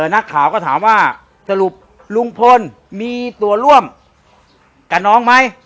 นักข่าวก็ถามว่าสรุปลุงพลมีตัวร่วมกับน้องไหม